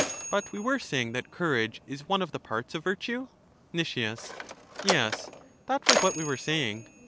But we were saying that courage is one of the parts of virtue? Nic, Yes, that was what we were saying.